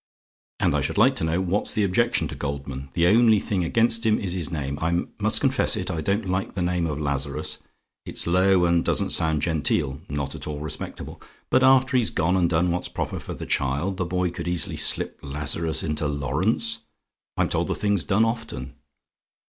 "And I should like to know what's the objection to Goldman? The only thing against him is his name; I must confess it, I don't like the name of Lazarus: it's low, and doesn't sound genteel not at all respectable. But after he's gone and done what's proper for the child, the boy could easily slip Lazarus into Laurence. I'm told the thing's done often.